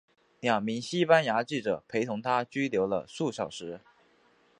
两名西班牙记者陪同她拘留了数小时。